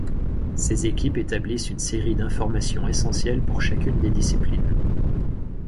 Ces équipes établissent une série d’informations essentielles pour chacune des disciplines.